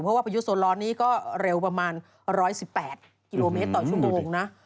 เพราะว่าพายุโซนร้อนนี้ก็เร็วประมาณ๑๑๘กิโลเมตรต่อชั่วโมงนะ